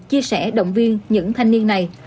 chia sẻ động viên những thanh niên này